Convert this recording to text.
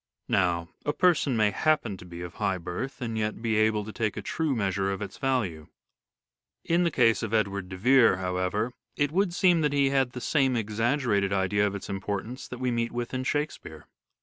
Now, a person may happen to be of high birth and yet be able to take a true measure of its value. In the case of Edward de Vere, however, it would seem that he had the same exaggerated idea of its importance that we meet with in Shakespeare.